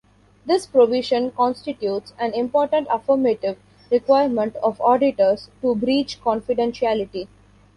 This provision constitutes an important affirmative requirement of auditors to breach confidentiality.